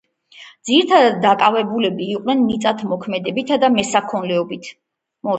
ძირითადად დაკავებულები იყვნენ მიწათმოქმედებითა და მესაქონლეობით.